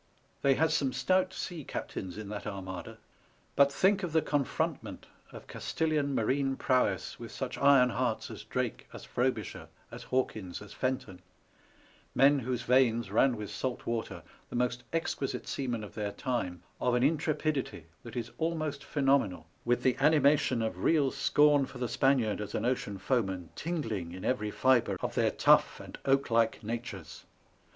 They had some stout sea captains in that Armada ; but think of the confrontment of Castilian marine prowess with such iron hearts as Drake, as Frobisher, as Hawkins, as Fenton ; men whose veins ran with salt water, the most exquisite seamen of their time, of an intrepidity that is almost phenomenal, with the animation of real scorn for the Spaniard as an ocean foeman tingling in every fibre of their tough and oak SOi SPANISH ABMADJL like natures